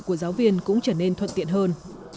của giáo viên cũng trở nên thuận tiện hơn